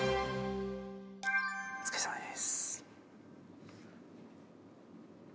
お疲れさまです。